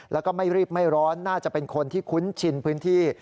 แล้วก็ไม่รีบไม่ร้อนน่าจะเป็นคนที่คุ้นชินพื้นที่